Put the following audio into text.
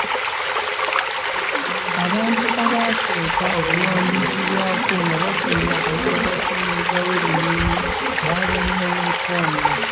Abantu abaasooka okuwandiikibwako nga bafunye akawuka ka ssenyiga w’ebinyonyi baali mu Hong Kong.